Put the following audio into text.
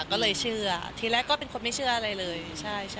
ก็เลยเชื่อทีแรกก็เป็นคนไม่เชื่ออะไรเลยใช่ใช่